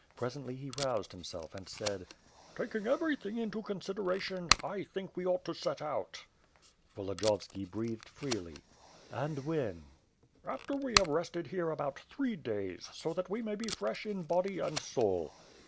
Presently he roused himself and said: "Taking everything into consideration, I think we ought to set out." Volodiyovski breathed freely. "And when?" "After we have rested here about three days, so that we may be fresh in body and soul."